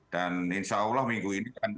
dan insya allah minggu ini